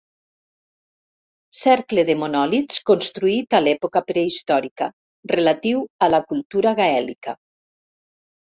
Cercle de monòlits construït a l'època prehistòrica, relatiu a la cultura gaèlica.